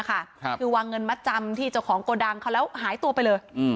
คือวางเงินมัดจำที่เจ้าของโกดังเขาแล้วหายตัวไปเลย